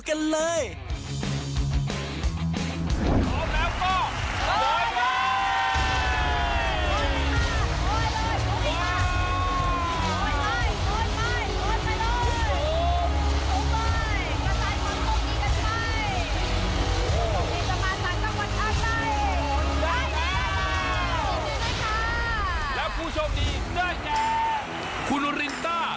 แข็งว่า